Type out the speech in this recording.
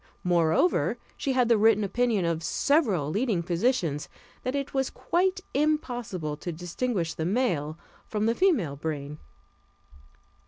Moreover, she had the written opinion of several leading physicians, that it was quite impossible to distinguish the male from the female brain.